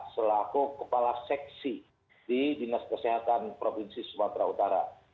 selaku kepala seksi di dinas kesehatan provinsi sumatera utara